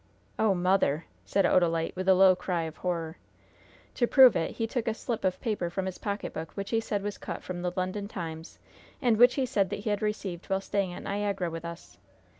"Oh, mother!" said Odalite, with a low cry of horror. "To prove it, he took a slip of paper from his pocketbook, which he said was cut from the London Times, and which he said that he had received while staying at Niagara with us.